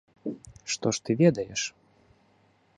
Што ж ты ведаеш?